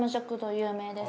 有名です。